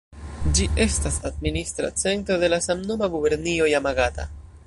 Ĝi estas administra centro de la samnoma gubernio Jamagata.